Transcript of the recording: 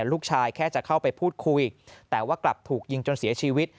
ลูกชายแค่จะเข้าไปพูดคุยแต่ว่ากลับถูกยิงจนเสียชีวิต